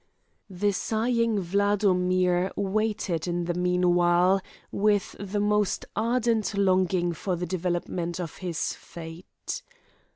The sighing Wladomir waited in the meanwhile with the most ardent longing for the development of his fate.